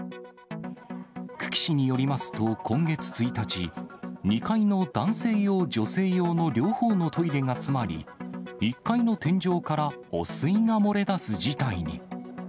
久喜市によりますと、今月１日、２階の男性用・女性用の両方のトイレが詰まり、１階の天井から汚水が漏れ出す事態に。